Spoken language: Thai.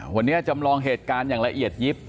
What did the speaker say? วันนี้จำลองเหตุการณ์อย่างละเอียดยิบ